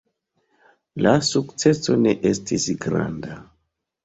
La sukceso ne estis granda.